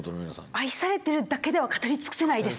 愛されてるだけでは語り尽くせないです。